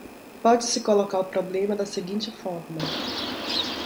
Pode-se colocar o problema da seguinte forma